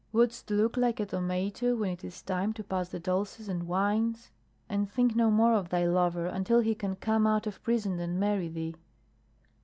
Wouldst look like a tomato when it is time to pass the dulces and wines? And think no more of thy lover until he can come out of prison and marry thee."